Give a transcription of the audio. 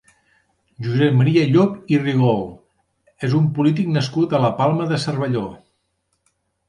Josep Maria Llop i Rigol és un polític nascut a la Palma de Cervelló.